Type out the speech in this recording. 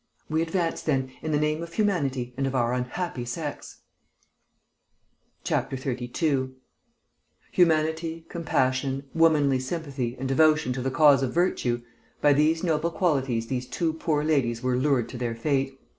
We advance, then, in the name of humanity and of our unhappy sex!" 32 Humanity, compassion, womanly sympathy, and devotion to the cause of virtue by these noble qualities these two poor ladies were lured to their fate.